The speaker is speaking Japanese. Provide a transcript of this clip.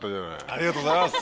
ありがとうございます。